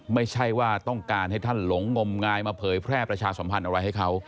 ไม่ใช่ว่าต้องการให้ท่านหลงงมงายมาเผยแพร่ประชาสัมพันธ์อะไรให้เขา